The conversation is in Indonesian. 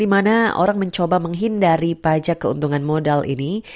di mana orang mencoba menghindari pajak keuntungan modal ini